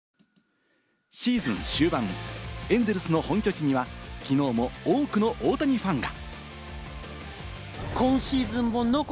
シーズン終盤、エンゼルスの本拠地には、きのうも多くの大谷ファンが。